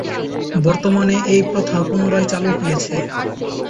বর্তমানে এই প্রথা পুনরায় চালু হয়েছে।